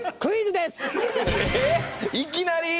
いきなり？